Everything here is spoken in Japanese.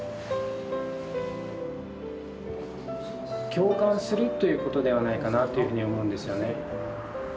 共感するということではないかなというふうに思うんですよね。